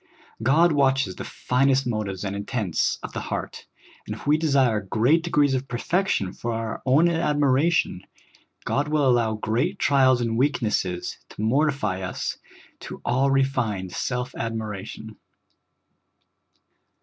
God watches the finest motives and intents of the heart, and if we desire great degrees of perfection for our own admiration, God will allow great trials and weaknesses to mortify us to all refined self admiration.